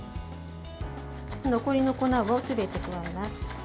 残りの粉をすべて加えます。